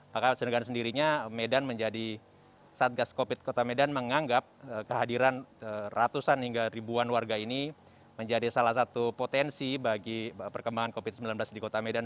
maka dengan sendirinya medan menjadi satgas covid kota medan menganggap kehadiran ratusan hingga ribuan warga ini menjadi salah satu potensi bagi perkembangan covid sembilan belas di kota medan